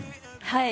はい。